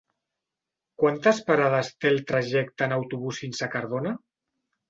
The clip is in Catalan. Quantes parades té el trajecte en autobús fins a Cardona?